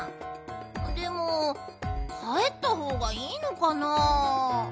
でもかえったほうがいいのかなあ。